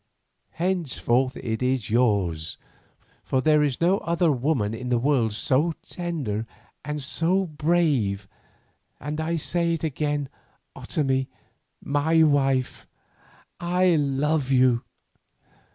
Henceforth it is yours, for there is no other woman in the world so tender and so brave, and I say it again, Otomie, my wife, I love you.